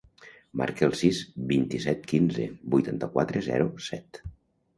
Marca el sis, vint-i-set, quinze, vuitanta-quatre, zero, set.